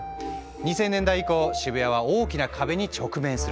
２０００年代以降渋谷は大きな壁に直面することに。